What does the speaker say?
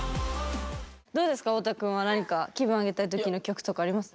どうですか太田くんは何か気分アゲたい時の曲とかあります？